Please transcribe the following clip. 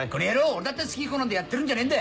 俺だって好きこのんでやってるんじゃねえんだ！